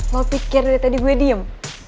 mau pikir dari tadi gue diem